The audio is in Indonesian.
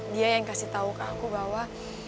dia yang kasih tahu ke aku bahwa